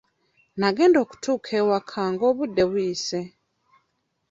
Naagenda okutuuka ewaka nga obudde buyise.